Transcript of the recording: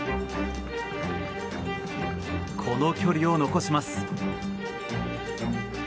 この距離を残します。